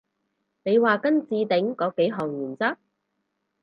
你話跟置頂嗰幾項原則？